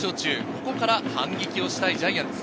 ここから反撃したいジャイアンツ。